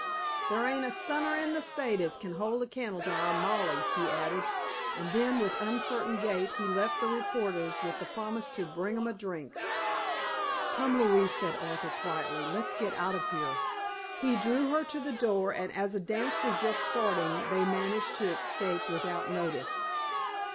"They ain't a stunner in the state as kin hold a candle to our Molly," he added, and then with uncertain gait he left the "reporters" with the promise to "bring 'em a drink." "Come, Louise," said Arthur, quietly, "let's get out of here." He drew her to the door and as a dance was just starting they managed to escape without notice.